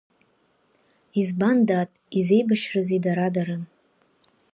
Избан, дад, изеибашьрызеи дара-дара?